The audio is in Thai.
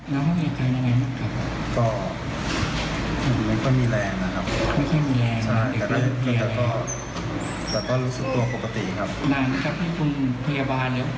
ดูเลยใช่ไหมครับแล้วคุณหมอได้แจ้งคุณครูว่าอย่างไรครับ